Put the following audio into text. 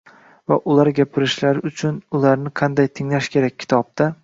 va ular gapirishlari uchun ularni qanday tinglash kerak” kitobda